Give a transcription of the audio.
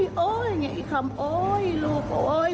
ถ้าอย่างนี้อีกคำโอ่ยลูกโอ๊ย